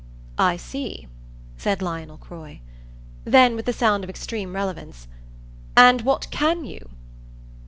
"I see," said Lionel Croy. Then with the sound of extreme relevance: "And what CAN you?"